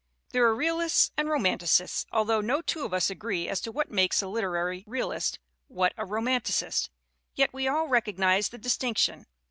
There are realists and romanticists although no two of us agree as to what makes a lit erary realist, what a romanticist. Yet we all recog nize the distinction.